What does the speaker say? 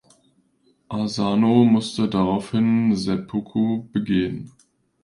Asano musste daraufhin Seppuku begehen.